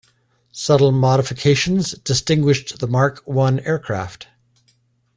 Subtle modifications distinguished the Mark I aircraft.